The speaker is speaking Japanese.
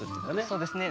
そうですね。